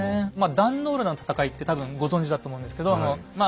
壇の浦の戦いって多分ご存じだと思うんですけどま